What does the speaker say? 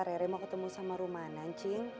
rere mau ketemu sama rumana ncing